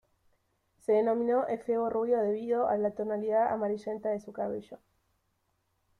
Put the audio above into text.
Se denominó efebo rubio debido a la tonalidad amarillenta de su cabello.